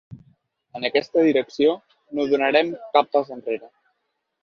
En aquesta direcció, no donarem cap pas enrere.